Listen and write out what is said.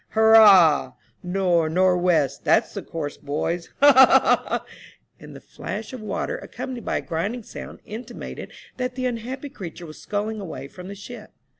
Hurrah ! Nor' nor' west ; that's the course, AN OCEAN MYSTERY. 225 boys. Ha ! ha ! ha I " and the flash of water, accom panied by a grinding sound, intimated that the nnhappy creature was sculling away from the ship.